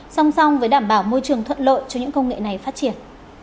song song với đảm bảo môi trường thuận lợi cho những công nghệ này phát triển